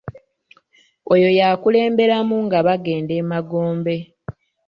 Oyo y'akulemberamu nga bagenda e magombe.